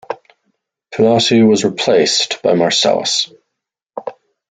Pilate was replaced by Marcellus.